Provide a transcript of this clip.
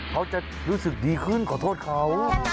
เขาจะรู้สึกดีขึ้นขอโทษเขา